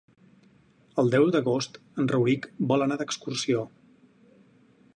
El deu d'agost en Rauric vol anar d'excursió.